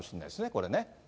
これね。